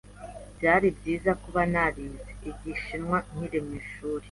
Byari byiza kuba narize Igishinwa nkiri ku ishuri.